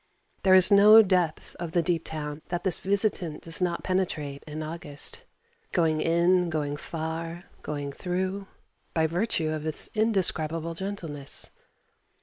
There is no depth of the deep town that this visitant does not penetrate in August going in, going far, going through, by virtue of its indescribable gentleness.